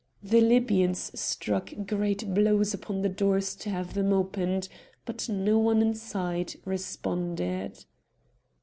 The Libyans struck great blows upon the doors to have them opened. But no one inside responded.